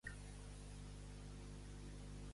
Quina va ser la descendència d'Higí?